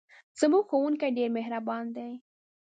زموږ ښوونکی ډېر مهربان دی.